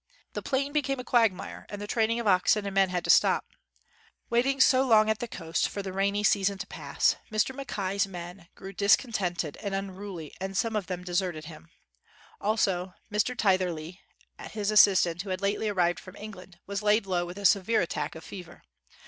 The plain became a quagmire and the training of oxen and men had to stop. Waiting so long at the coast for the rainy season to pass, Mr. Mackay 's men grew dis contented and unruly and some of them de serted him. Also, Mr. Tytherleigh, his as sistant who had lately arrived from Eng land, was laid low with a severe attack of fever.